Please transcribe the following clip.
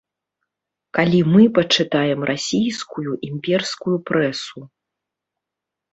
Калі мы пачытаем расійскую імперскую прэсу.